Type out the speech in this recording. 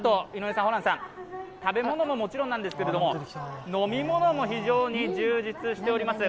あと、食べ物ももちろんなんですけれども飲み物も非常に充実しております。